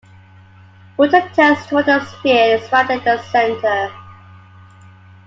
Water tends toward a sphere surrounding the center.